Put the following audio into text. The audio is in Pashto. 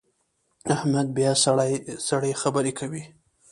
احمد بیا سړې سړې خبرې کوي.